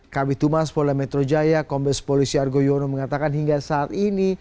kb tumas polda metro jaya kombes polisi argo yono mengatakan hingga saat ini